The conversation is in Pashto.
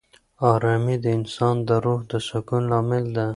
آرامي د انسان د روح د سکون لامل ده.